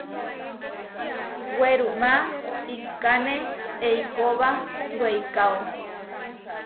Werumá iʼkáne eikóba weikáo.